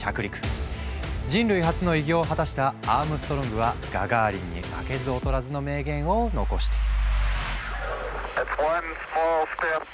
人類初の偉業を果たしたアームストロングはガガーリンに負けず劣らずの名言を残している。